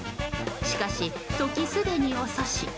しかし、時すでに遅し。